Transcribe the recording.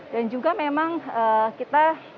dan juga memang kita